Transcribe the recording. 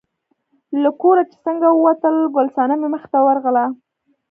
له کوره چې څنګه ووتل، ګل صنمې مخې ته ورغله.